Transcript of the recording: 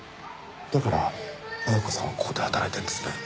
だから絢子さんはここで働いてるんですね。